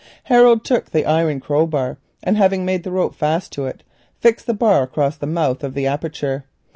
Harold took the iron crow, and having made the rope fast to it fixed the bar across the mouth of the aperture.